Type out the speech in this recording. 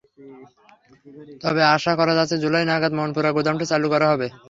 তবে আশা করা যাচ্ছে, জুলাই নাগাদ মনপুরার গুদামটি চালু করা যাবে।